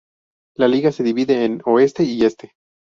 La liga se divide en Oeste y Este.